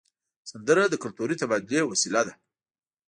سندره د کلتوري تبادلې وسیله ده